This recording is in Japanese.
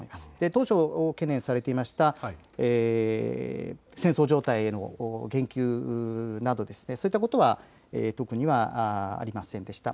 当初、懸念されていました戦争状態への言及などそういったことは特にはありませんでした。